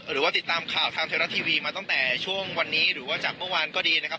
หรือว่าติดตามข่าวทางไทยรัฐทีวีมาตั้งแต่ช่วงวันนี้หรือว่าจากเมื่อวานก็ดีนะครับ